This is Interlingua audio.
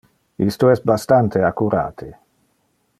Isto es bastante accurate.